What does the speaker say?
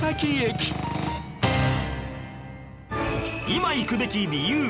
今行くべき理由